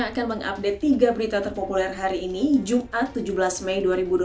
akan mengupdate tiga berita terpopuler hari ini jumat tujuh belas mei dua ribu dua puluh